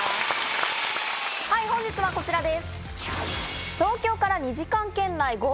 本日はこちらです。